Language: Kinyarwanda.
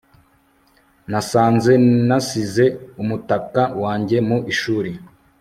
nasanze nasize umutaka wanjye mu ishuri